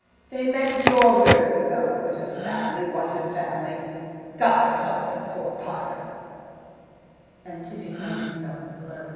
They met at your rooms. Oh, what a family, what a family! God help the poor pater " And Tibby found himself alone.